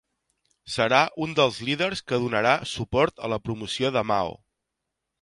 Serà un dels líders que donarà suport a la promoció de Mao.